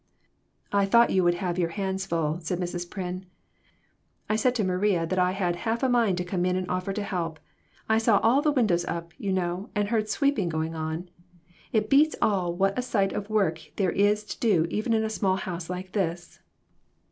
"I thought you would have your hands full," said Mrs. Pryn. "I said to Maria that I had half a mind to come in and offer to help ; I saw all the windows up, you know, and heard sweeping going on. It beats all what a sight of work there is to do even in a small house like this."